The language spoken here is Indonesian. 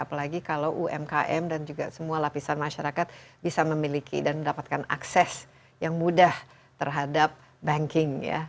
apalagi kalau umkm dan juga semua lapisan masyarakat bisa memiliki dan mendapatkan akses yang mudah terhadap banking ya